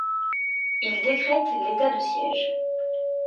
Il décrète l'état de siège.